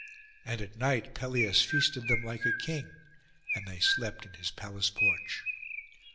And at night Pelias feasted them like a king, and they slept in his palace porch.